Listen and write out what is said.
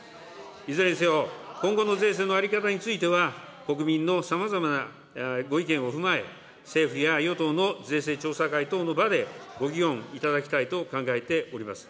いずれにせよ、今後の税制の在り方については、国民のさまざまなご意見を踏まえ、政府や与党の税制調査会等の場で、ご議論いただきたいと考えております。